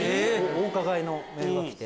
お伺いのメールが来て。